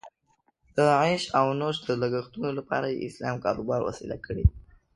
د عیش او نوش د لګښتونو لپاره یې اسلام کاروبار وسیله کړې.